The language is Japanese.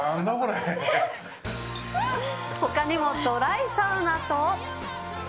ほかにもドライサウナと。